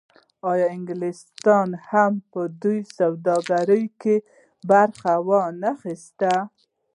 آیا انګلیسانو هم په دې سوداګرۍ کې برخه ونه اخیسته؟